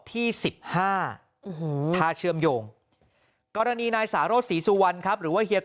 ที่๑๕ถ้าเชื่อมโยงกรณีนายสารสศรีสุวรรณครับหรือว่าเฮีย